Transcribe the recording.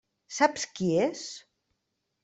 Saps qui és?